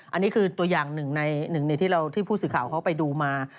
อันนี้คือตัวอย่างหนึ่งในหนึ่งที่ผู้สื่อข่าวเขาไปดูมา